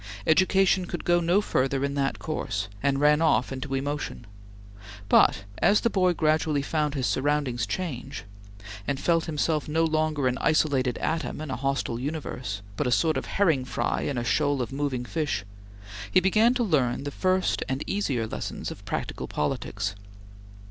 Education could go no further in that course, and ran off into emotion; but, as the boy gradually found his surroundings change, and felt himself no longer an isolated atom in a hostile universe, but a sort of herring fry in a shoal of moving fish, he began to learn the first and easier lessons of practical politics.